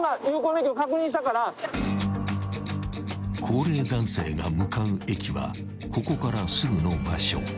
［高齢男性が向かう駅はここからすぐの場所］